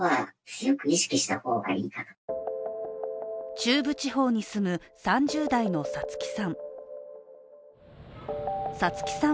中部地方に住む３０代の皐月さん。